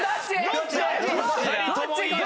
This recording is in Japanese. どっち！？